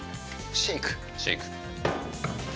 シェイク。